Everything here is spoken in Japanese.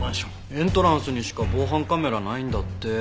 エントランスにしか防犯カメラないんだって。